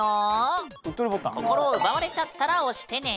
心を奪われちゃったら押してね！